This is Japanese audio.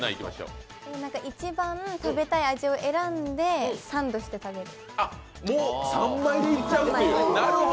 一番食べたい味を選んでサンドして食べる。